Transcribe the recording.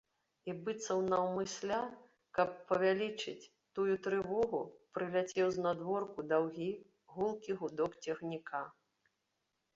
І быццам наўмысля, каб павялічыць тую трывогу, прыляцеў знадворку даўгі, гулкі гудок цягніка.